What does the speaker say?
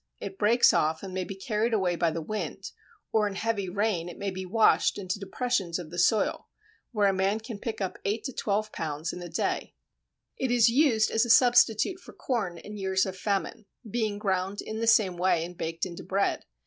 It breaks off and may be carried away by the wind, or in heavy rain it may be washed into depressions of the soil, where a man can pick up 8 to 12 lb. in a day. It "is used as a substitute for corn in years of famine being ground in the same way and baked into bread....